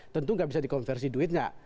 tentu nggak bisa dikonversi duitnya